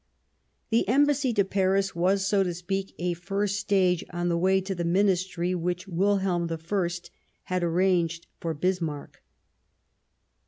53 Bismarck The Embassy to Paris was, so to speak, a first stage on the way to the Ministry which Wilhelm I had arranged for Bismarck.